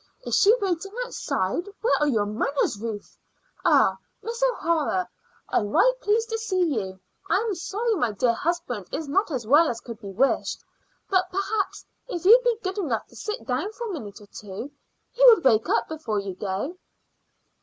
Is she waiting outside? Where are your manners, Ruth? Ah, Miss O'Hara, I'm right pleased to see you! I am sorry my dear husband is not as well as could be wished; but perhaps if you'd be good enough to sit down for a minute or two, he would wake up before you go."